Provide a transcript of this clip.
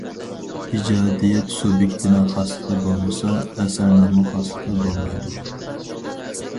ئىجادىيەت سۇبيېكتىنىڭ خاسلىقى بولمىسا، ئەسەرنىڭمۇ خاسلىقى بولمايدۇ.